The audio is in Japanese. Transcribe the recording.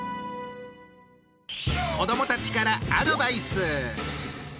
子どもたちからアドバイス。